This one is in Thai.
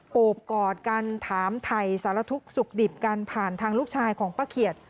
โอบกอดกันถามไทยสารทุกข์สุขดิบกันผ่านทางลูกชายของป้าเขียด